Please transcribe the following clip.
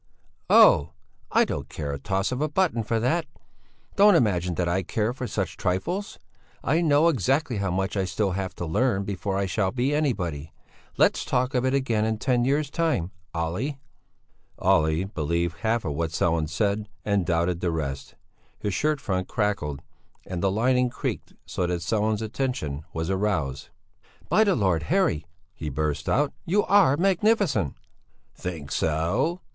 "Oh! I don't care the toss of a button for that! Don't imagine that I care for such trifles. I know exactly how much I still have to learn before I shall be anybody. Let's talk of it again in ten years' time, Olle." Olle believed half of what Sellén said and doubted the rest; his shirt front crackled and the lining creaked so that Sellén's attention was aroused. "By the Lord Harry!" he burst out, "you are magnificent!" "Think so?